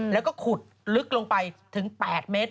แล้วก็ขุดลึกลงไปถึง๘เมตร